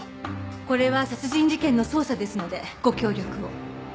これは殺人事件の捜査ですのでご協力を。